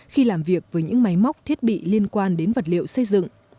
khi làm việc với những máy móc thiết bị liên quan đến vật liệu xây dựng